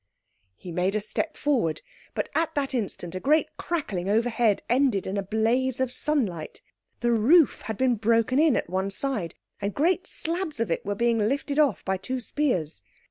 He made a step forward, but at that instant a great crackling overhead ended in a blaze of sunlight. The roof had been broken in at one side, and great slabs of it were being lifted off by two spears.